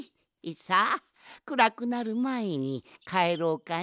さあくらくなるまえにかえろうかの。